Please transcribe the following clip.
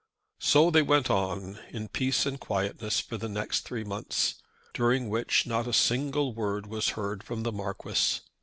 So they went on in peace and quietness for the next three months, during which not a single word was heard from the Marquis.